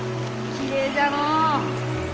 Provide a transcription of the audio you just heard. きれいじゃのう！